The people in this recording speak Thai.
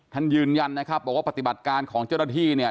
ยืนยันนะครับบอกว่าปฏิบัติการของเจ้าหน้าที่เนี่ย